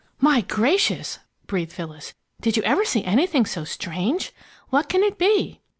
"My gracious!" breathed Phyllis. "Did you ever see anything so strange! What can it be?"